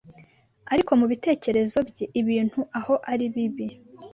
ariko mubitekerezo bye, ibintu aho ari bibi.